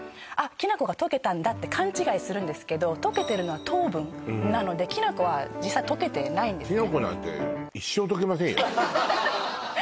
きな粉が溶けたんだって勘違いするんですけど溶けてるのは糖分なのできな粉は実際溶けてないんですね